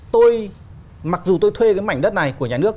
tôi mặc dù tôi thuê cái mảnh đất này của nhà nước